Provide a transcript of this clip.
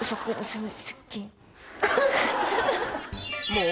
［もう］